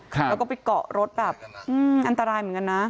แล้วก็ไปเกาะรถแบบอันตรายเหมือนกันนะ